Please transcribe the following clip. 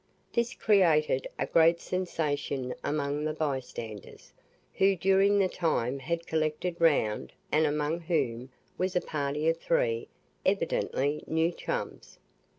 This created a great sensation among the bystanders, who during the time had collected round, and among whom was a party of three, evidently "new chums."